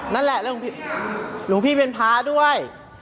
นั่นแหละแล้วหลวงพี่เป็นพระด้วย